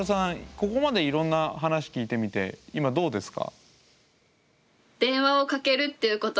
ここまでいろんな話聞いてみて今どうですか？